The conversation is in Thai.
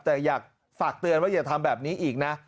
แต่อยากฝากเตือนว่าอย่าทำแบบนี้อีกนะ